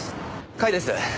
甲斐です。